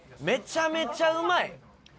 めちゃめちゃうまい！